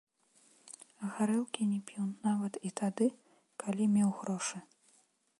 Гарэлкі не піў нават і тады, калі меў грошы.